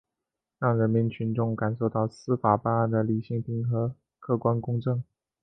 让人民群众感受到司法办案的理性平和、客观公正